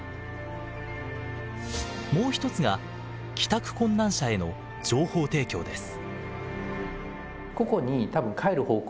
もう一つが帰宅困難者への情報提供です。